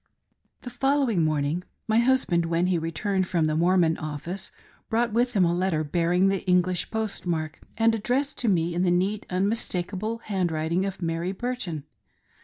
The following morning, my husband when he returned from the Mormon office, brought with him a letter bearing the Eng lish postmark and addressed to me in the neat unmistakeable handwriting of Mary Burton.